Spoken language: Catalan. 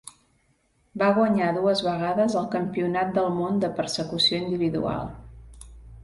Va guanyar dues vegades el Campionat del món de persecució individual.